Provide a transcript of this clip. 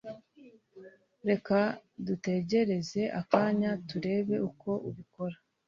Reka dutegereze akanya turebe uko ubikora.